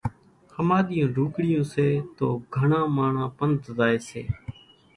ۿماۮِيئيون ڍوڪڙيون سي تو گھڻان ماڻۿان پنڌ زائي سي